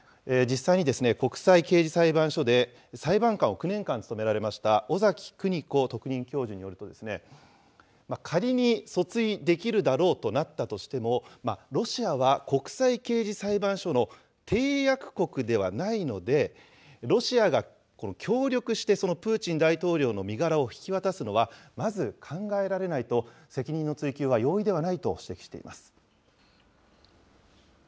実際に国際刑事裁判所で裁判官を９年間務められました尾ざき久仁子特任教授によると、仮に訴追できるだろうとなったとしても、ロシアは国際刑事裁判所の締約国ではないので、ロシアが協力してそのプーチン大統領の身柄を引き渡すのはまず考えられないと、責任の追及は容易ではないと指摘しています。